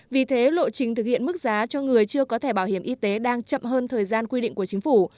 vì thế lộ trình thực hiện mức giá cho người chưa có thẻ bảo hiểm y tế đang chậm hơn thời gian quy định của chính phủ